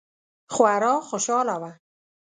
خورا خوشحاله وه.